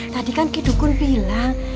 tadi kan kidukun bilang